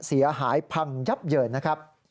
เสียหายพังยับเยินนะครับ